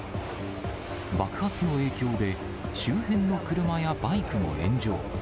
爆発の影響で、周辺の車やバイクも炎上。